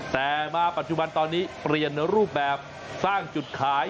แต่มาปัจจุบันตอนนี้เปลี่ยนรูปแบบสร้างจุดขาย